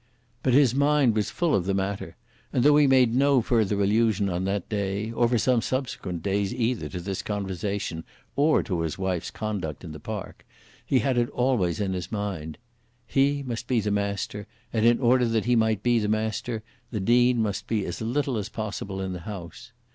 But his mind was full of the matter; and though he made no further allusion on that day, or for some subsequent days either to this conversation or to his wife's conduct in the park, he had it always in his mind. He must be the master, and in order that he might be master the Dean must be as little as possible in the house.